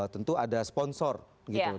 tentu ada sponsor gitu